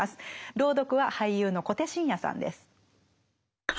朗読は俳優の小手伸也さんです。